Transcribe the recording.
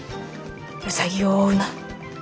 「ウサギを追うな」。